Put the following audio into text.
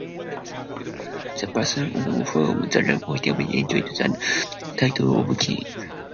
The person on whom the lot fell enjoyed the title of king.